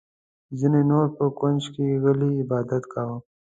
ځینې نورو په کونج کې غلی عبادت کاوه.